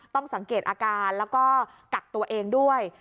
ต้องสังเกตอาการแล้วก็กักตัวเองด้วย